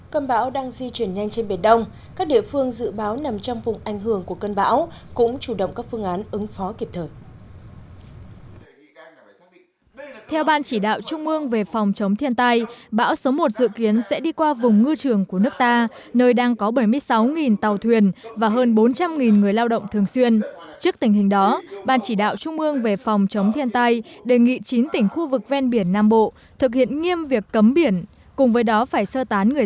cơn bão đang di chuyển nhanh trên biển đông các địa phương dự báo nằm trong vùng ảnh hưởng của cơn bão cũng chủ động các phương án ứng phó kịp thời